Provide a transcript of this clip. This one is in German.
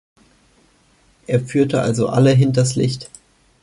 Er führte also alle "hinters Licht".